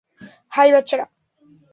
High, বাচ্চারা।